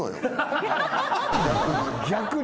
逆に。